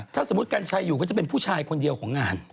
ถ้าสมมุติกัญชัยอยู่ก็จะเป็นผู้ชายคนเดียวของงาน